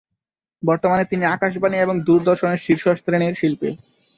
বর্তমানে তিনি আকাশবাণী এবং দূরদর্শনের শীর্ষ শ্রেণির শিল্পী।